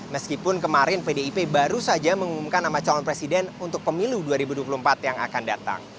meskipun kemarin pdip baru saja mengumumkan nama calon presiden untuk pemilu dua ribu dua puluh empat yang akan datang